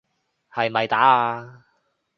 係咪打啊？